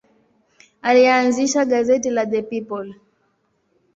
Alianzisha gazeti la The People.